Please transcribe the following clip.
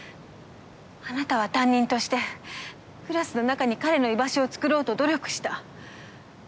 あなたは担任としてクラスの中に彼の居場所を作ろうと努力した。